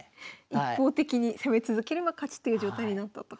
一方的に攻め続ければ勝ちっていう状態になったと。